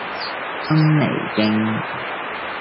芬尼徑